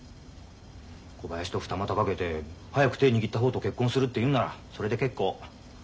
小林と二股かけて早く手握った方と結婚するって言うんならそれで結構。